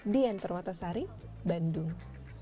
dian perwata sari bandung